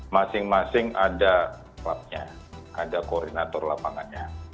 masing masing ada klubnya ada koordinator lapangannya